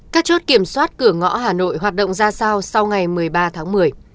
các chốt kiểm soát cửa ngõ hà nội hoạt động ra sao sau ngày một mươi ba tháng một mươi